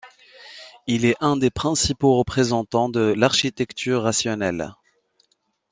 Il est un des principaux représentants de l’architecture rationnelle.